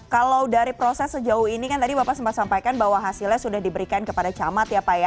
kalau dari proses sejauh ini kan tadi bapak sempat sampaikan bahwa hasilnya sudah diberikan kepada camat ya pak ya